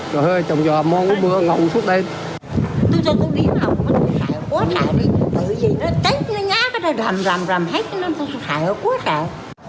tôi cho cô lý mộng tôi xảy ở quốc đại đi bởi vì nó cháy nó ngã nó rằm rằm rằm hết tôi xảy ở quốc đại